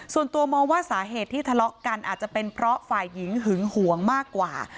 ส่วนตัวมองว่าสาเหตุที่ทะเลาะกันอาจจะเป็นเพราะฝ่ายหญิงหึงหวงมากกว่า